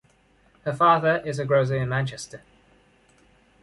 Her father is a grocer in Manchester.